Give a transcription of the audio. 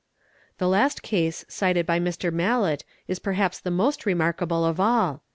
||. The last case cited by Mr. Mallett is perhaps the most remarkable of — all.